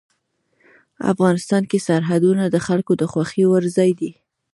افغانستان کې سرحدونه د خلکو د خوښې وړ ځای دی.